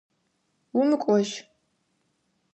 Умыкӏожь!